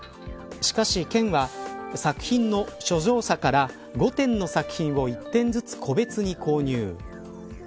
しかし県は作品の所蔵者から５点の作品を１点ずつ個別に購入。